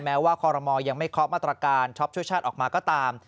แม้ว่าคอลโรมอย่างไม่ครอบมาตรการชอบช่วยชาติออกมาก็ตาม